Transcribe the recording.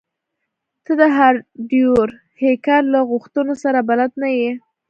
ته د هارډویر هیکر له غوښتنو سره بلد نه یې